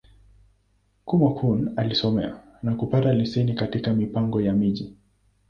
Kúmókụn alisomea, na kupata leseni katika Mipango ya Miji.